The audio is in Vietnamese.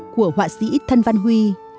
của họa sĩ thân văn huy